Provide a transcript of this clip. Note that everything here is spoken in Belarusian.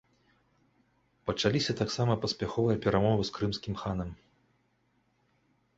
Пачаліся таксама паспяховыя перамовы з крымскім ханам.